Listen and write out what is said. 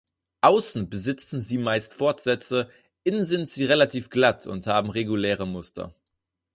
Außen besitzen sie meist Fortsätze, innen sind sie relativ glatt und haben reguläre Muster.